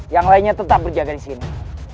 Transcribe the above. yang lainnya tetap berjaga di sini